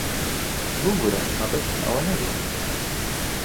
ببوورە، مەبەستم ئەوە نەبوو.